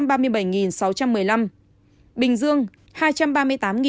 bình dương hai trăm ba mươi tám ca nhiễm